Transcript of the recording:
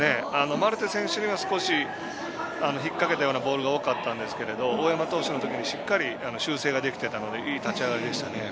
マルテ選手には引っ掛けたようなボールが多かったんですけど大山投手のときにしっかり修正ができていたのでいい立ち上がりでした。